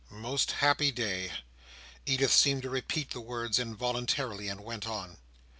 "Most happy day!" Edith seemed to repeat the words involuntarily, and went on.